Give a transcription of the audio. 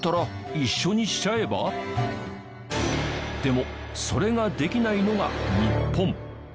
だったらでもそれができないのが日本。